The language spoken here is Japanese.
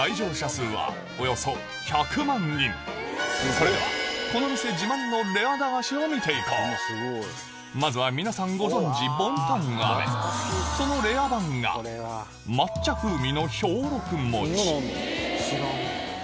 それではこの店自慢のまずは皆さんご存じボンタンアメその抹茶風味の兵六餅。